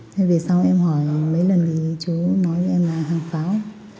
thế về sau em hỏi mấy lần thì chú nói em là hàng pháo